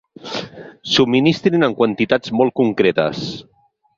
Subministrin en quantitats molt concretes.